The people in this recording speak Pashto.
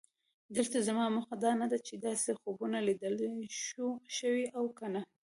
دلته زما موخه دا نه ده چې داسې خوبونه لیدل شوي او که نه.